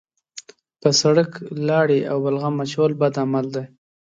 په سړک لاړې او بلغم اچول بد عمل دی.